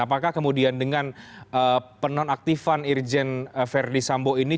apakah kemudian dengan penonaktifan irjen verdi sambo ini